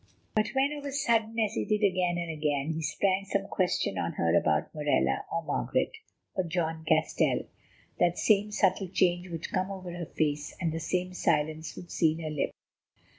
But when of a sudden, as he did again and again, he sprang some question on her about Morella, or Margaret, or John Castell, that same subtle change would come over her face, and the same silence would seal her lips.